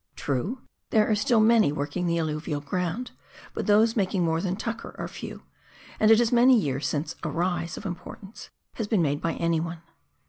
True, there are still many working the alluvial ground, but those making more than " tucker " are few, and it is many years since " a rise " of importance has been made by anyone.